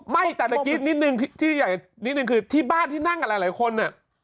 นิดนึงที่อยากจะนิดนึงคือที่บ้านที่นั่งกับหลายคนน่ะ